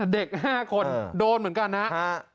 เด็ก๕คนโดนเหมือนกันนะครับ